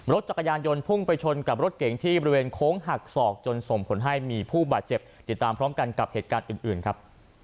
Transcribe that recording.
รถจักรยานยนต์พุ่งไปชนกับรถเก๋งที่บริเวณโค้งหักศอกจนส่งผลให้มีผู้บาดเจ็บติดตามพร้อมกันกับเหตุการณ์อื่นครับ